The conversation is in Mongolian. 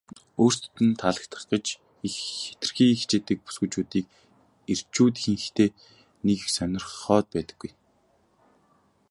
өөрсдөд нь таалагдах гэж хэтэрхий хичээдэг бүсгүйчүүдийг эрчүүд ихэнхдээ нэг их сонирхоод байдаггүй.